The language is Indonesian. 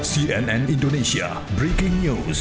cnn indonesia breaking news